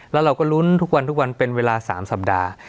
แล้วเราก็ลุ้นทุกวันทุกวันเป็นเวลา๓สัปดาห์